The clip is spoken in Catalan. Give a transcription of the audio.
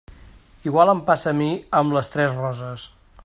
Igual em passa a mi amb Les Tres Roses.